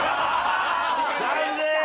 残念。